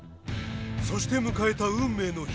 そして迎えた運命の日。